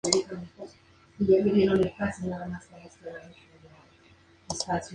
En asturiano publicó abundantes poemas con los que alcanzó cierta popularidad.